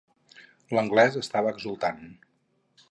L'anglès estava exultant.